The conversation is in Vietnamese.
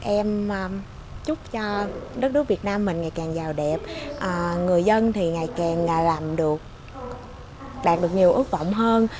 em chúc cho đất nước việt nam mình ngày càng giàu đẹp người dân thì ngày càng làm được đạt được nhiều ước vọng hơn